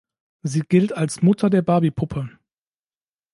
Sie gilt als „Mutter der Barbie-Puppe“.